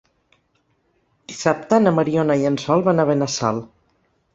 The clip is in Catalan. Dissabte na Mariona i en Sol van a Benassal.